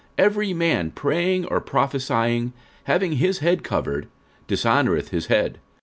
46:011:004 Every man praying or prophesying, having his head covered, dishonoureth his head.